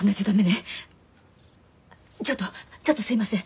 ちょっとちょっとすいません